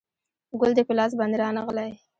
ګل دې په لاس باندې رانغلی